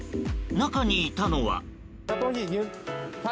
中にいたのは。